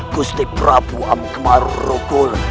gusti prabu ammar rukul